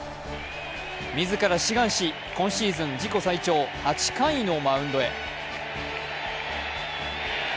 自ら志願し、今シーズン自己最長８回のマウンドへ。